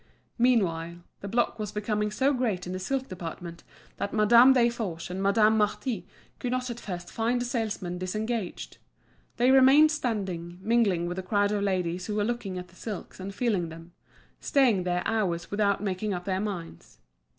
Meanwhile, the block was becoming so great in the silk department that Madame Desforges and Madame Marty could not at first find a salesman disengaged. They remained standing, mingling with the crowd of ladies who were looking at the silks and feeling them, staying there hours without making up their minds.